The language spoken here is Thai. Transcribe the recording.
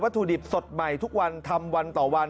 ถุดิบสดใหม่ทุกวันทำวันต่อวัน